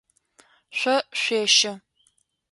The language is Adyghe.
Шъо шъуещэ.